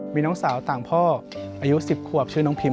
มีน้องสาวต่างพ่ออายุ๑๐ขวบชื่อน้องพิม